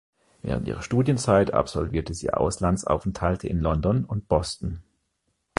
Während ihrer Studienzeit absolvierte sie Auslandsaufenthalte in London und Boston.